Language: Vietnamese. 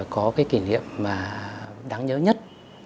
có kỷ niệm đáng nhớ nhất